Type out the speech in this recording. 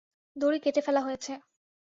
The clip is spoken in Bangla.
দড়ি কেটে ফেলা হয়েছে।